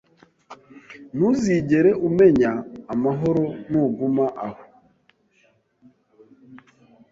Ntuzigere umenya amahoro nuguma aho